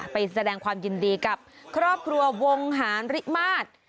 ไปแสดงความยินดีกับครอบครัววงหารริมาตร